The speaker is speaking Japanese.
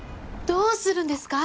どうするんですか？